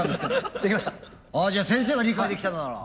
あじゃあ先生が理解できたなら。